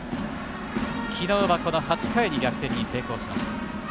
昨日は８回に逆転に成功しました。